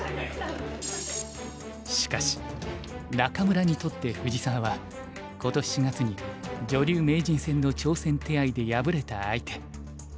しかし仲邑にとって藤沢は今年４月に女流名人戦の挑戦手合で敗れた相手。